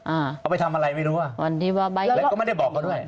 เอาไปทำอะไรไม่รู้อะแล้วก็ไม่ได้บอกเขาด้วย